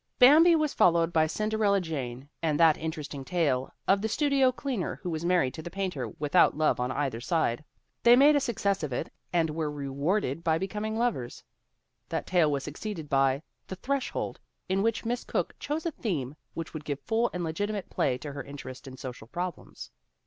Bambi was followed by Cinderella Jane and that interesting tale of the studio cleaner who was married to the painter without love on either side they made a success of it and were rewarded by be coming lovers that tale was succeeded by The Thresh old, in which Miss Cooke chose a theme which would give full and legitimate play to her interest in social problems.